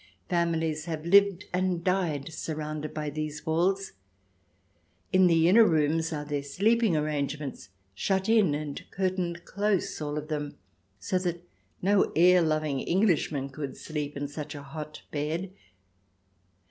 Families have lived and died surrounded by these walls; in the inner rooms are their sleeping arrangements, shut in and curtained close, all of them, so that no air loving Englishman could sleep in such a hot bed.